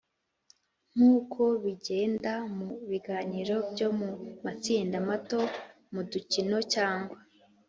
nk uko bigenda mu biganiro byo mu matsinda mato mu dukino cyangwa